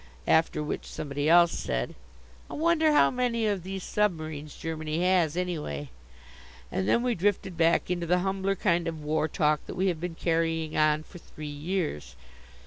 After which somebody else said: "I wonder how many of these submarines Germany has, anyway?" And then we drifted back into the humbler kind of war talk that we have been carrying on for three years.